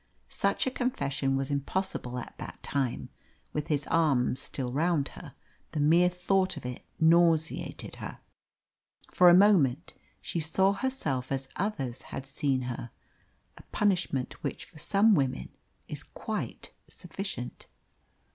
Such a confession was impossible at that time; with his arms still round her, the mere thought of it nauseated her. For a moment, she saw herself as others had seen her a punishment which for some women is quite sufficient.